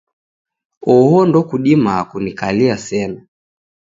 Oho ndokudimaa kunikalia sena.